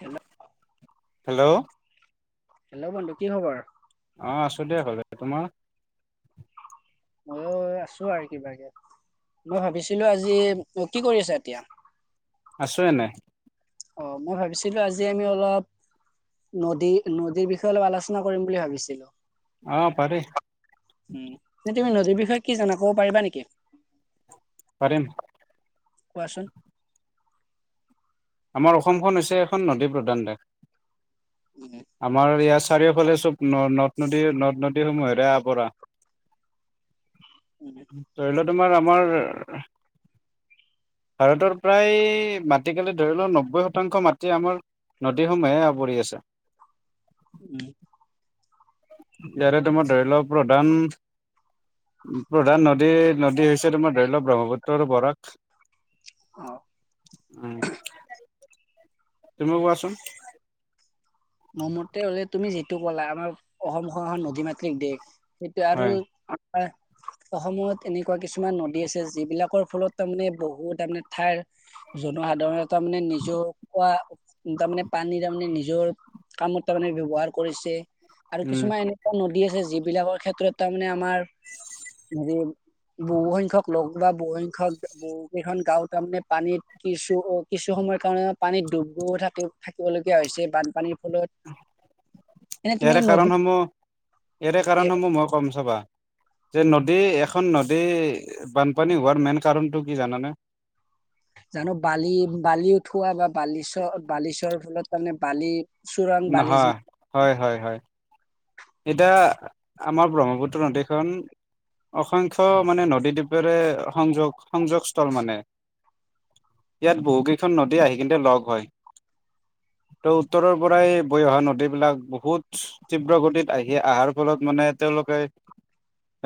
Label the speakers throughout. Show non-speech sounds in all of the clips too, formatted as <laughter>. Speaker 1: Hello
Speaker 2: hello
Speaker 1: hello বন্ধু কি খবৰ?
Speaker 2: আহ আছো দিয়া ভালে তোমাৰ
Speaker 1: মই আছো আৰু কিবাকে মই ভাবিছিলোঁ আজি কি কৰি আছা এতিয়া
Speaker 2: আছোঁ, এনে।
Speaker 1: অ' মই ভাবিছিলো আজি আমি অলপ। নদী নদীৰ বিষয়ে অলপ আলোচনা কৰিম বুলি ভাবিছিলো
Speaker 2: আহ পাৰে
Speaker 1: উম নে তুমি নদীৰ বিষয়ে কি জানা কব পাৰিবা নেকি
Speaker 2: পাৰিম
Speaker 1: কোৱাচোন?
Speaker 2: আমাৰ অসমখন হৈছে এখন নদী প্ৰধান দেশ
Speaker 1: উম
Speaker 2: আমাৰ ইয়াত চাৰিওঁফালে সব নদ- নদী নদ -নদীসমূহেৰে আৱৰা।
Speaker 1: উম
Speaker 2: ধৰি লওঁক। তুমাৰ আমাৰ ভাৰতৰ প্ৰায় মাটিকালিত ধৰি লওক নব্বৈ শতাংশ মাটি আমাৰ নদীসমূহে আৱৰি আছে
Speaker 1: উম
Speaker 2: ইয়াৰে তোমাৰ ধৰি লওঁ প্ৰধান প্ৰধান নদী, নদী হৈছে তোমাৰ ধৰি লওঁক ব্ৰহ্মপুত্ৰ আৰু বৰাক।
Speaker 1: অ'।
Speaker 2: উম তুমি কোৱাচোন?
Speaker 1: মোৰমতে হলে তুমি যিটো কলা আমাৰ অসমখন-খন নদী মাতৃক দেশ। সেইটো আৰু
Speaker 2: হয়
Speaker 1: অসমত এনেকুৱা কিছুমান নদী আছে যিবিলাকৰ ফলত তাৰমানে বহুত তাৰমানে ঠাইৰ জনসাধাৰণে তাৰ মানে নিজৰ পৰা তাৰমানে পানী তাৰমানে নিজৰ কামত তাৰ মানে ব্যবহাৰ কৰিছে আৰু
Speaker 2: উম
Speaker 1: কিছুমান এনেকুৱা নদী দি আছে, যিবিলাকৰ ক্ষেত্ৰত তাৰমানে আমাৰ হেৰি বহু সংখ্যক লগ বা বহু সংখ্যক বহু কেইখন গাঁও তাৰমানে পানীত কিছু, কিছু সময়ৰ কাৰণে পানীত ডুব গৈও থাকি থাকিবলগীয়া হৈছে বা তুমি
Speaker 2: ইয়াৰে
Speaker 1: নদী
Speaker 2: কাৰণসমূহ ইয়াৰে কাৰণসমূহ মই ক'ম চাবা। যে
Speaker 1: উম,
Speaker 2: নদী এখন নদী দ বানপানী হোৱাৰ মেইন কাৰণটো কি জানানে
Speaker 1: জানো বালি বালি উঠোৱা বা বালিচ বালিচৰ ফলত তাৰমানে বালি চোৰাং
Speaker 2: নহয়
Speaker 1: বালিজীৱ
Speaker 2: হয় হয় হয় এতিয়া আমাৰ ব্ৰহ্মপুত্ৰ নদীখন অসংখ্য্ মানে নদীদ্বীপেৰে সংযোগ সংযোগস্থল মানে ইয়াত বহুকেইখন নদী আহি কিন্তে লগ হয় ত উত্তৰৰ পৰাই বৈ অহা নদীবলাক বহুত তীব্ৰ গতিত আহি, অহাৰ ফলত মানে তেওঁলোকে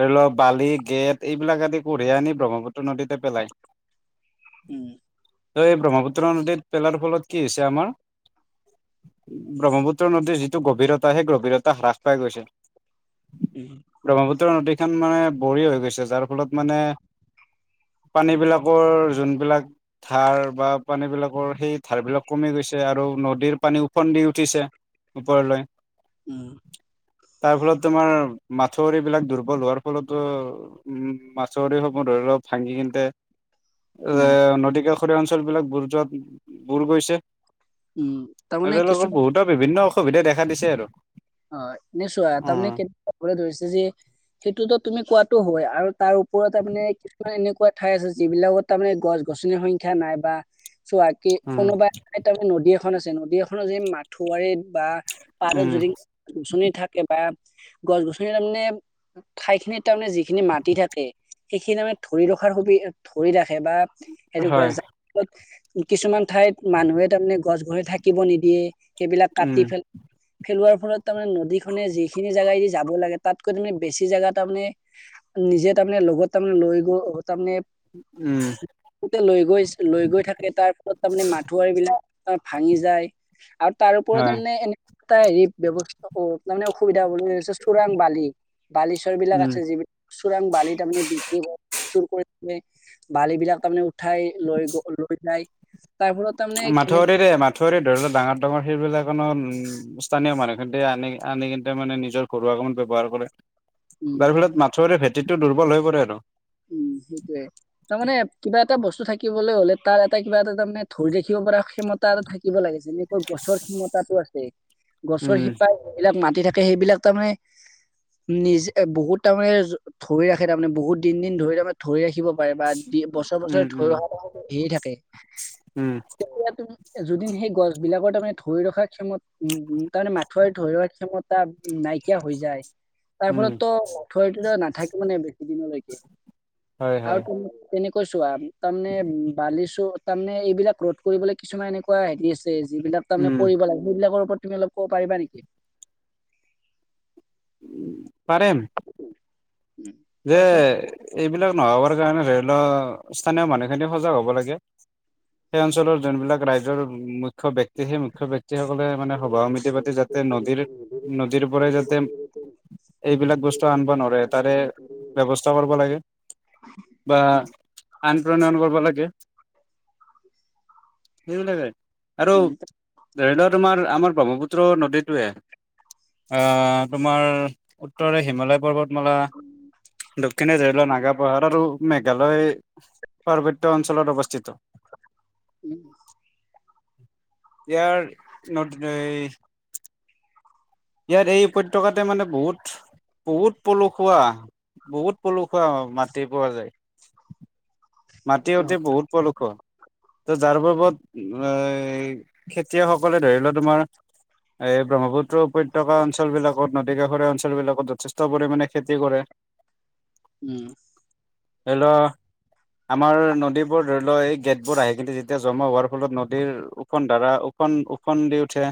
Speaker 2: ধৰি লওক বালি গেদ এইবিলাক আদি কঢ়িয়াই আনি ব্ৰহ্মপুত্ৰ নদীতে পেলায়
Speaker 1: উম
Speaker 2: ত এই ব্ৰহ্মপুত্ৰ নদীত পেলাৰ ফলত কি হৈছে আমাৰ ব্ৰহ্মপুত্ৰ নদীৰ যিটো গভীৰতা, সেই গভীৰতা হ্ৰাস পাই গৈছে
Speaker 1: উম
Speaker 2: ব্ৰহ্মপুত্ৰ নদী মানে বড়ি হৈ গৈছে। যাৰ ফলত মানে
Speaker 1: <unintelligible>
Speaker 2: পানীবিলাকৰ যোনবিলাক ধাৰ বা পানীবিলাকৰ সেই ধাৰবিলাক কমি গৈছে আৰু নদীৰ পানী ওফন্দি উঠিছে ওপৰলৈ
Speaker 1: উ'ম।
Speaker 2: তাৰ ফলত তোমাৰ মাছৰি বিলাক দুৰ্বল হোৱাৰ ফলতো উম মাছৰি সপোন ধৰি লওক ভাঙি হিন্তে এ!
Speaker 1: উম
Speaker 2: নদী কাষৰীয়া অঞ্চল বিলাক বুৰ যোৱাত বুৰ গৈছে।
Speaker 1: উম
Speaker 2: আৰু
Speaker 1: তাৰমানে
Speaker 2: তেওঁলোকৰ
Speaker 1: কিছুমান
Speaker 2: বহুতৰ বিভিন্ন অসুবিধা দেখা দিছে আৰু
Speaker 1: নিশ্চয়, তাৰমানে
Speaker 2: উম
Speaker 1: কেনে কবলৈ ধৰিছে যে সেইটোতো তুমি কোৱা। হয় আৰু তাৰ ওপৰত তানে কিছুমান এনেকুৱা ঠাই আছে যিবিলাকত তাৰমানে গছ গছনিৰ সংখ্য্া নাই বা চি
Speaker 2: উম
Speaker 1: কোনোবা তাৰমান নদী এখন আছে নদী এখনৰ যে মাথাৰ বা পাৰত
Speaker 2: উম
Speaker 1: যদিচনি থাকে বা গছ গছন তাৰানে ঠাই খিনিৰ তাৰমানে যিখিনি মাটি থাকে সেইখিনি আমে ধৰি ৰখাৰ সুবিধ ধৰি ৰাখে বা সেইটো কৰে
Speaker 2: হয়
Speaker 1: কিছুমান ঠাইত মানুহে তাৰমানে গছ গৰে থাকিব নিদিয়ে সেইবিলাক
Speaker 2: উম
Speaker 1: কাটি ফেল খেলোৱাৰ তাৰে নদীখনে যিখিনি জেগাদি যাব লাগে তাতকৈ তে বেছি জাগা তাৰানে নিজে ত তাৰমানে লগত তাৰমানে লৈ গৈ তাৰমানে
Speaker 2: উম
Speaker 1: লৈ গৈ লৈ গৈ থাকে তাৰ পিছত তাৰমানে মথাৰ বিলাক ত ভাঙি যায় আৰু তাৰ ওপৰত
Speaker 2: হয়
Speaker 1: তাৰানে এনেক এটা হেৰি ব্যৱস্থা তাৰমানে অসুবিধা চোৰাং বালি বালিচ্বৰ বিলাক
Speaker 2: উম
Speaker 1: আছে যিবিলাক চোৰাং বালি তাৰমানে <unintelligible> কৰে চুৰ কৰি বালিবিলাক তাৰমানে উঠাই লৈ গ লৈ যায় তাৰ ফলত তাৰমানে কেনে
Speaker 2: মাথউৰি দে মাথউৰি ধৰি লোৱা ডাঙৰ ডাঙৰ সেইবিলাকনো উম স্থানীয় মানুহখিনতে আনি আনি কিন্তনে মানে নিজৰ ঘৰুৱা কামত ব্যৱহাৰ কৰে
Speaker 1: উম
Speaker 2: যাৰ ফলত মাথউৰি ভেঁটিটো দুৰ্বল হৈ পৰে আৰু
Speaker 1: উম সেইটয়ে তাৰমানে কিবা এটা বস্তু থাকিবলৈ হ'লে তাৰ এটা কিবা এটা তাৰ মানে ধৰি দেখিব পৰা ক্ষমতা থাকিব লাগে যেনেকৈ গছৰ ক্ষমতাটো আছে গছৰ
Speaker 2: উম
Speaker 1: শিপাই এইবিলাক ম থাকে সেইবিলাক তাৰ মানে নিজে বহুত তাৰমানে ধৰি ৰাখে তাৰমানে বহুত তিন দিন ধৰি তাৰমানে ধৰি ৰাখিব পাৰে বা বছৰ বছৰে
Speaker 2: উম
Speaker 1: ধৰি
Speaker 2: উম
Speaker 1: ৰখা হেৰি থাকে
Speaker 2: উম
Speaker 1: যদিন সেই গছ বিলাকৰ তাৰমানে ধৰি ৰখা ক্ষমত উ তাৰমানে মাথ ধৰি ৰখা ক্ষমতা নাইকিয়া হৈ যায় তাৰ
Speaker 2: উম
Speaker 1: ফলত তোঠৰিটো নাথাকে মানে বেছি দিনলৈকে
Speaker 2: হয় হয়
Speaker 1: আৰু তেনে কৈছো আহ তাৰমানে বালিছো তাৰমানে এইবিলাক ৰদ কৰিবলে কিছুমান এনেকুৱা হেৰি আছে যিবিলাক তাৰমানে
Speaker 2: উম
Speaker 1: কৰিব লাগে সেইবিলাকৰ ওপৰত তুমি অলপ ক'ব পাৰিবা নেকি?
Speaker 2: পাৰম
Speaker 1: উম,
Speaker 2: যে
Speaker 1: কোৱাচোন
Speaker 2: এইবিলাক নহবৰ কাৰণে ধৰি লও স্থানীয় মানুহখিনি সজাগ হ'ব লাগে সেই অঞ্চলৰ যোনবিলাক ৰাজই্ৰ মুখ্য ব্যয়ক্তি সেই মুখ্য বক্তি সকলে মানে সভা সমিতি পাতি যাতে নদীৰ নদীৰ পৰাই যাতে এইবিলাক বস্তু আনব নোৱাৰে তাৰে ব্য্ৱস্থা কৰিব লাগে বা
Speaker 1: উম
Speaker 2: আন প্ৰণয়ন কৰিব লাগে সেইবিলাকে আৰু
Speaker 1: উম
Speaker 2: ধৰি লওক তোমাৰ আমাৰ ব্ৰহ্মপুত্ৰ নদীতোয়ে অ' তোমাৰ উত্তৰে হিমালয় পৰ্বত মল ঢুকিনী ধৰিিল নাগা পাহাৰ আৰু মেঘালয় পাৰ্বত্য অঞ্চলত অৱস্থিত
Speaker 1: উম
Speaker 2: ইয়াৰ ন ইয়াত এই উপত্য়কাতে মানে বহুত বহুত পলসুৱা বহুত পলুষা মাটি পোৱা যায় মাটি
Speaker 1: সেইটো
Speaker 2: উতি
Speaker 1: হয়
Speaker 2: বহুত পদুষ ত যাৰ বাবত এ খেতিয়কসকলে ধৰি লোৱা তোমাৰ এই ব্ৰহ্মপুত্ৰ উপত্যকা অঞ্চল বিলাকত নদী কাষৰীয়া অঞ্চল বিলাকত যথেষ্ট পৰিমাণে খেতি কৰে
Speaker 1: উম
Speaker 2: হেল্ল' আমাৰ নদীবোৰ ধৰি ল এই গেটবোৰ আহি কিি যেতিয়া জমা হোৱাৰ ফলত নদীৰ ওখখন ধাৰা ফফোন ওফোন দি উঠে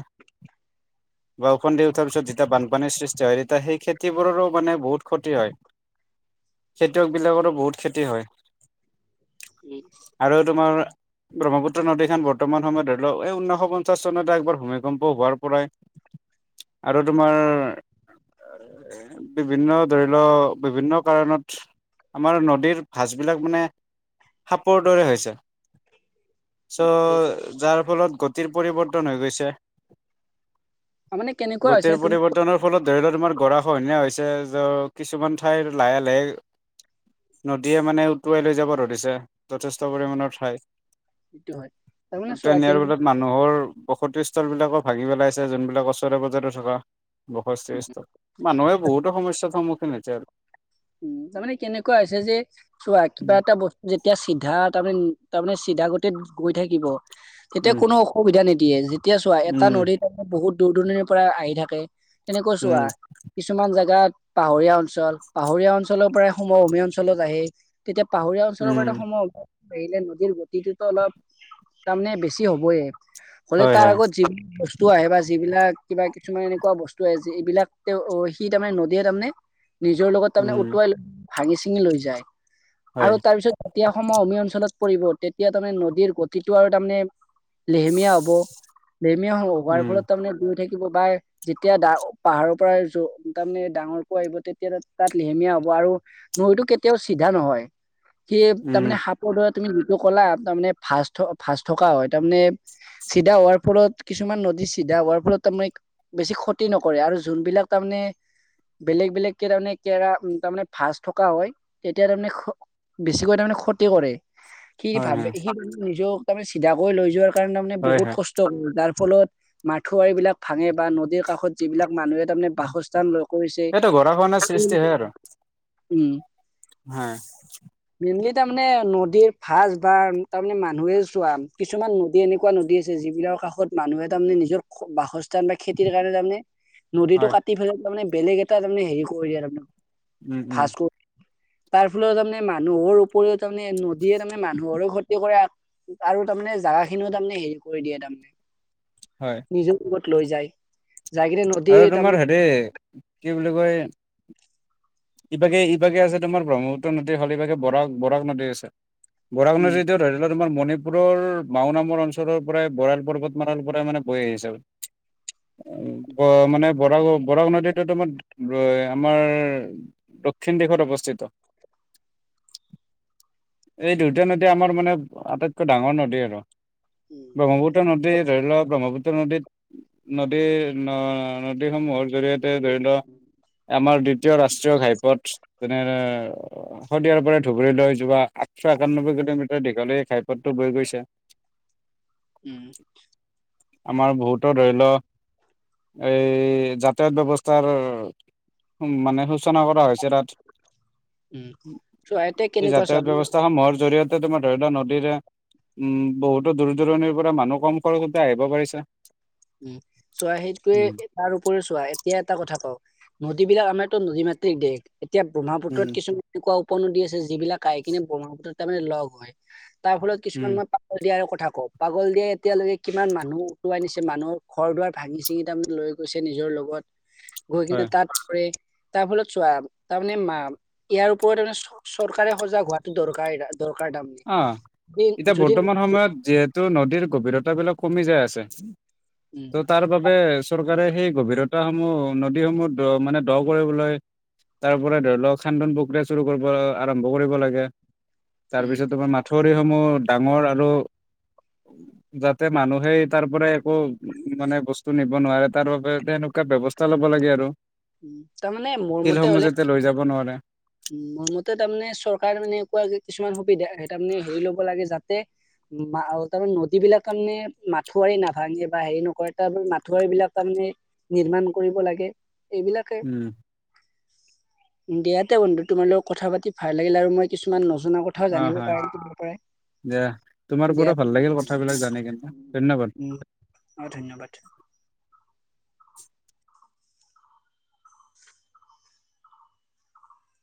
Speaker 2: বষুণ দি উঠাৰ পিছত যেতিয়া বানপানীৰ সৃষ্টি হয় তেতিয়া সেই খেতিবোৰৰো মানে বহুত ক্ষতি হয় খেতিয়কবিলাকৰো বহুত খেতি হয়
Speaker 1: উম
Speaker 2: আৰু তোমাৰ ব্ৰহ্মপুত্ৰ নদীখন বৰ্তমান সময়ত ধৰি লওক এই ঊনৈশ পঞ্চাশ চনতে একবাৰ ভূমিকম্প হোৱাৰ পৰাই আৰু তোমাৰ বিভিন্ন ধৰি লওক বিভিন্ন কাৰণত আমাৰ নদীৰ ভাঁজবিলাক মানে সাপৰ দৰে হৈছে
Speaker 1: উম সেই
Speaker 2: চ' যাৰ ফলত গতিৰ পৰিৱৰ্তন হৈ গৈছে
Speaker 1: তাৰমানে কেনেকুৱা হৈছে
Speaker 2: গতিৰ
Speaker 1: তুমি
Speaker 2: পৰিৱৰ্তনৰ ফলত ধৰি লওক তোমাৰ গঁৰাখহনীয়া হৈছে য কিছুমান ঠাইৰ লাহে-লাহে নদীয়ে মানে উটুৱাই লৈছে যাব ধৰিছে যথেষ্ট পৰিমাণৰ ঠাই
Speaker 1: সেইটো হয় তাৰমানে চোৱা
Speaker 2: তেনাৰ
Speaker 1: কেনে
Speaker 2: ফলত মানুহৰ বসতি লিলাকো ভাগি পেলাইছে যোনবিলাক ওচৰে পাজজৰে থকা <inaudible> বসস্থ মানুহে বহুতো সমস্যাৰ সন্মুখীন হৈছে আৰু
Speaker 1: উম। তাাৰমানে কেনেকুৱা হৈছে যে- চোৱা, কিবা
Speaker 2: উম
Speaker 1: এটা বস্তু যেতিয়া চিধা তাৰমানে-তাৰমানে চিধা গতিত গৈ থাকিব, তেতিয়া কোনো অসুবিধা নিদিয়ে। যে এতিয়া চোৱা এটা
Speaker 2: উম
Speaker 1: নদীত <unintelligible> বহুত দূৰ-দূৰণিৰ পৰা আহি থাকে। এনেকৈ চোৱা
Speaker 2: উম
Speaker 1: কিছুমান জাগাত পাহৰীয়া অঞ্চল পাহৰীয়া অঞ্চলৰ পৰাই সমভূমি অঞ্চলত আহে। তেতিয়া পাহৰীয়া অঞ্চলৰ পৰা
Speaker 2: উম
Speaker 1: সম এৰিলে নদীৰ গতিটোতো অলপ তাৰমানে বেছি হবয়ে। হ'লে
Speaker 2: হয়
Speaker 1: তাৰ
Speaker 2: হয়
Speaker 1: আগত যিবিলাক বস্তু আহে বা যিবিলাক কিবা কিছুমান এনেকুৱা বস্তু আহে যে এইবিলাক তেওঁ সি তাৰমানে নদীয়ে তাৰমানে নিজৰ লগত তাৰমানে
Speaker 2: উম
Speaker 1: উটুৱাই লৈ ভাঙি-চিঙি লৈ যায়।
Speaker 2: হয়
Speaker 1: আৰু তাৰপিছত যেতিয়া সমভূমি অঞ্চলত পৰিব, তেতিয়া তাৰমানে নদীৰ গতিটো আৰু তাৰমানে লেহেমীয়া হব। <unintelligible> হোৱাৰ
Speaker 2: উম
Speaker 1: ফলত তাৰমানে দুয়ো থাকি <unintelligible> বা যেতিয়া পাহাৰৰ পৰা তাৰমানে ডাঙৰকৈ আহিব, তেতিয়া তাত লেহেমীয়া হ'ব আৰু নৈটো কেতিয়াও চিধা নহয়। সি
Speaker 2: উম
Speaker 1: তাৰমানে সাপ দৰে তুমি যিটো ক'লা তাৰমানে ভাঁজ ভাঁজ থকা হয়। তাৰমানে চিধা হোৱাৰ ফলত কিছুমান নদী চিধা হোৱাৰ ফলত তাৰমানে বেছি ক্ষতি নকৰে, আৰু যোনবিলাক তাৰমানে বেলেগ-বেলেগকে তাৰমানে <inaudible> তেৰা উ তাৰ মানে ভাজ থকা হয়, তেতিয়া তাৰমানে বেছিকৈ তাৰমানে ক্ষতি কৰে। সি
Speaker 2: হয়
Speaker 1: ভাবে
Speaker 2: হয়
Speaker 1: সি নিজক তাৰমানে চিধা কৰি লৈ যোৱাৰ কাৰণে তাৰমানে
Speaker 2: হয়
Speaker 1: বহুত
Speaker 2: হয়
Speaker 1: কষ্ট কৰে তাৰ ফলত মাথোৱাৰি বিলাক ভাঙে বা নদীৰ কাষত যিবিলাক মানুহে তাৰমানে বাসস্থান লৈ কৰিছে।
Speaker 2: এইটো গৰাখহনীয়াৰ সৃষ্টি হয় আৰু <unintelligible>
Speaker 1: উম।
Speaker 2: হা।
Speaker 1: এনে তাৰমানে নদীৰ ভাঁজ বা তাৰমানে মানুহে চোৱা কিছুমান নদী এনেকুৱা নদী আছে যি এইবিলাকৰ কাষত মানুহে তাৰমানে নিজৰ বাসস্থ তামণে খেতিৰ কাৰণে, তাৰমানে নদীটো
Speaker 2: হয়
Speaker 1: কাটি পেলাই তাৰমানে বেলেগ এটা তাৰমানে হেৰি কৰি দিয়ে তাৰমান
Speaker 2: উম। উম।
Speaker 1: তাৰ ফলত তাৰমানে মানুহৰ উপৰিও তাৰমানে নদীয়ে তাৰমানে মানুহৰো ক্ষতি কৰে। আৰু তাৰমানে জাগা খিনিও তাৰমানে হেৰি কৰি দিয়ে তাৰমানে।
Speaker 2: হয়
Speaker 1: নিজেও লগত লৈ যায়। যাই কিনে নদীৰ
Speaker 2: আৰু তোমাৰ
Speaker 1: তাৰমানে
Speaker 2: হেৰি কি বুলি কয় ইপাকে-ইপাকে আছে তোমাৰ ব্ৰহ্মপুত্ৰ নদীৰ ভাগ, ইপাকে বৰাক-বৰাক নদী আছে। বৰাক
Speaker 1: উম
Speaker 2: নদীটো ধৰি লওক, তোমাৰ মণিপুৰৰ মাও নামৰ অঞ্চলৰ পৰাই, বৰাইল পৰ্বত মালাৰ পৰাই মানে বৈ আহিছে। মানে বৰা-বৰাক নদীটো তোম- আমাৰ দক্ষিণ দিশত অৱস্থিত। এই দুউটায়া নদী আমাৰ মানে আটাইতকৈ ডাঙৰ নদী আৰু
Speaker 1: উম
Speaker 2: ব্ৰহ্মপুত্ৰ নদীৰ ধৰি লওৱক ব্ৰহ্মপুত্ৰ নদীত নদী ন নদীসমূহৰ, জৰিয়তে ধৰি লও। আমাৰ দ্বিতীয় ৰাষ্ট্ৰীয় ঘাইপথ, যেনে শদিয়াৰ পৰা ধুবুৰীলৈ যোৱা আঠশ একানম্বৈ কিলোমিটাৰ দীঘল এই ঘাইপথটো, হৈ গৈছে।
Speaker 1: উ উম
Speaker 2: আমাৰ বহুতো ধৰি লও। এই যাতায়াত ব্যৱস্থাৰ মানে
Speaker 1: উম চোৱা এতিয়া কেনেকুৱা
Speaker 2: যাতায়ত
Speaker 1: চোৱা
Speaker 2: ব্যৱস্থাসমূহৰ জৰিয়তে ত তোমাৰ ধৰি লোৱা নদীৰে, উম, বহুতো দূৰ-দূৰণিৰ পৰা মানুহ কম খৰচতে আহিব পাৰিছে।
Speaker 1: উম, চোৱা সেইটয়ে
Speaker 2: উম
Speaker 1: তাৰ ওপৰে চোৱা এতিয়া এটা কথা কওঁ। নদীবলাক আমাৰ নদী মাতৃক দেশ এতিয়া ব্ৰহ্মপু্ৰত
Speaker 2: উম
Speaker 1: কিছুমান এনেকুৱা উপনদী আছে যিবিলাক কাই কিনে ব্ৰহ্মপুত্ৰত, তাৰমানানে লগ হয়। তাৰ ফলত
Speaker 2: উম
Speaker 1: কিছুমান মাপ থাকক। পাগল দিয়া এতিয়ালৈকে কিমান মানুহ উটুৱাই নিছে। মানুহৰ ঘৰ দুৱাৰ ভাঙি-চিঙি তাৰমানে লৈ গৈছে নিজৰ লগত গৈ কিনে
Speaker 2: হয়
Speaker 1: তাত পৰে। তাৰ ফলত চোৱা। তাৰমানে মা ইয়াৰ ওপৰত তাৰে চৰকাৰে সজাগ হোৱাটো দৰকাৰ। দৰকাৰ তাৰমানে
Speaker 2: অ'
Speaker 1: যদি
Speaker 2: এতিয়া
Speaker 1: যদি
Speaker 2: বৰ্তমান সময়ত যিহেতু নদীৰ গভীৰতাবিলাক কমি যায় আছে।
Speaker 1: উম
Speaker 2: ত তাৰ বাবে চৰকাৰে সেই গভীৰতাহ সমূহ, নদীসমূহ দ মানে দ কৰিবলৈ। তাৰ পৰা ধৰি লওক খান্দন প্ৰক্ৰিয়া চুৰু কৰিব আৰম্ভ কৰিব লাগে।
Speaker 1: উম
Speaker 2: তাৰপিছত তোমাৰ মাঠউৰিসমূহ ডাঙৰ আৰু যাতে মানুহে তাৰ পৰা একো মানে বস্তু নিব নোৱাৰে তাৰ বাবে তেনেকুৱা, ইয়াত ব্যৱস্থা লব লাগে আৰু
Speaker 1: উ তাৰমানে মোৰ মতে
Speaker 2: শিলসমূহ
Speaker 1: হলে,
Speaker 2: যাতে লৈ যাব নোৱাৰে
Speaker 1: উ মোৰ মতে তাৰমানে চৰকাৰ মানে একোৱা কিছুমান সেই তাৰমানে হেৰি ল'ব লাগে যাতে, তাৰমানে নদী বিলাক তাৰমানে মাথাউৰি নাভাঙে বা হেৰি নকৰে তাৰ মাথাউৰী বিলাক তাৰমানে নিৰ্মাণ কৰিব লাগে। এইবিলাকে।
Speaker 2: উম
Speaker 1: দিয়াতে বন্ধু তোমাৰ লগত কথা পাতি ভাল। লাগিল আৰু মই কিছুমান নজনা কথাও
Speaker 2: অ
Speaker 1: জানিব
Speaker 2: হয়
Speaker 1: পাৰিম। তাৰ পৰাই
Speaker 2: দিয়া তোমাৰ
Speaker 1: দিয়া
Speaker 2: পৰা ভাল লাগিল কথাবিলাক জানি ধন্যবাদ।
Speaker 1: উম অ' ধন্যবাদ।